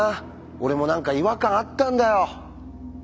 俺も何か違和感あったんだよ。